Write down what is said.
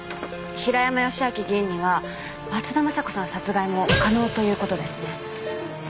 平山義昭議員には松田雅子さん殺害も可能という事ですね。